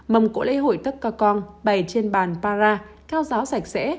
mông cổ lễ hội tắc cà con bày trên bàn para cao giáo sạch sẽ